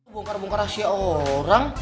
bungkar bungkar rahasia orang